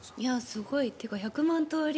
すごい。というか１００万通り。